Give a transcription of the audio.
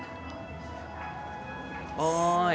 おい。